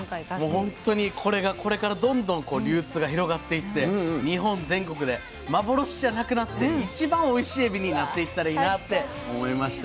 もうほんとにこれがこれからどんどん流通が広がっていって日本全国で幻じゃなくなって一番おいしいエビになっていったらいいなって思いました。